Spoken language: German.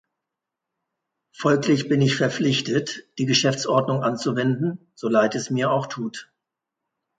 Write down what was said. Folglich bin ich verpflichtet, die Geschäftsordnung anzuwenden, so leid es mir auch tut.